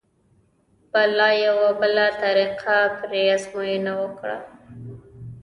به لا یوه بله طریقه پرې ازموینه کړو.